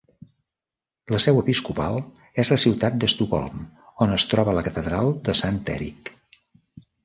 La seu episcopal és la ciutat d'Estocolm, on es troba la catedral de Sant Èric.